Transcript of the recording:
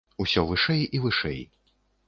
Усё вышэй і вышэй.